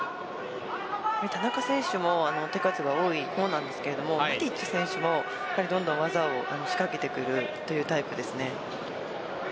田中選手も手数が多い方ですがマティッチ選手もどんどん技を仕掛けてくるというタイプです。